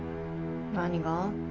何が？